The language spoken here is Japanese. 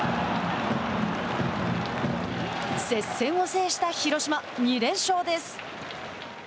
接戦を制した広島、２連勝です。